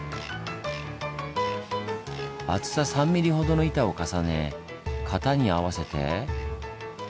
厚さ３ミリほどの板を重ね型に合わせて。